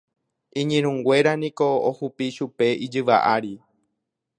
Iñirũnguéra niko ohupi chupe ijyva ári.